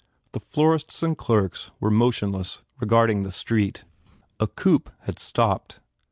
The florists and clerks were motionless, regarding the street. A coupe had stopped.